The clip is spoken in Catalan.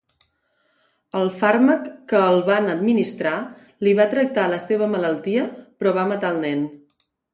El fàrmac que el van administrar li va tractar la seva malaltia però va matar el nen.